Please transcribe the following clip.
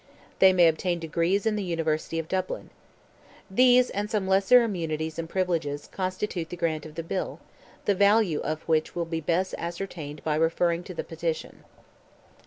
They may obtain degrees in the University of Dublin. These, and some lesser immunities and privileges, constitute the grant of the bill, the value of which will be best ascertained by referring to the petition."